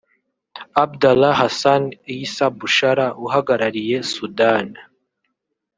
Abdalla Hassan Eisa Bushara uhagarariye Sudan